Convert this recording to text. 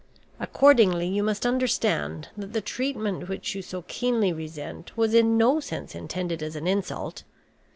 Accordingly, you must understand that the treatment which you so keenly resent was in no sense intended as an insult.